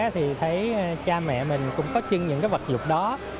thì thấy cha mẹ mình cũng có chưng những cái vật dụng đó